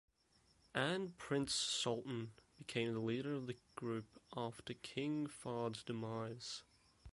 And Prince Sultan became the leader of the group after King Fahd's demise.